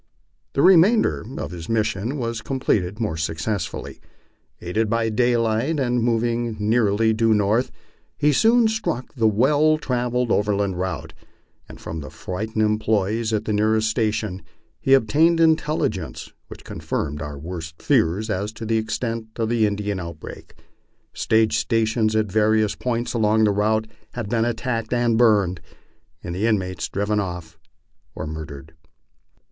The remainder of his mission was completed more successfully. Aided by daylight, and moving nearly due north, he soon struck the well travelled over land route, and from the frightened employes at the nearest station he ob tained intelligence which confirmed our worst fears as to the extent of the In dian outbreak. Stage stations at various points along the route had been at tacked and burned, and the inmates driven off or murdered.